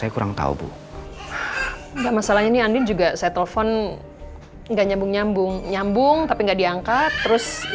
kayaknya tidak mungkin tau ya